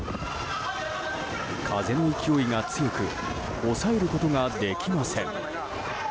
風の勢いが強く押さえることができません。